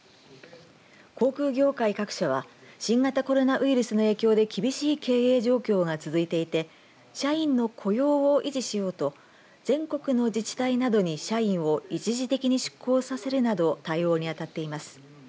航空業界各社は新型コロナウイルスの影響で厳しい経営状況が続いていて社員の雇用を維持しようと全国の自治体などに社員を一時的に出向させるなど対応にあたっています。